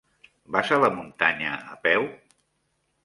Vas a la muntanya a peu?